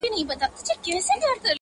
نسته له ابۍ سره شرنګی په الاهو کي-